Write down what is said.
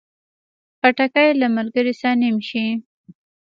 خټکی له ملګري سره نیم شي.